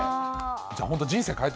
じゃあ本当、人生変えた。